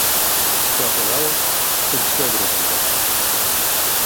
Fue apodado "El suegro de Europa".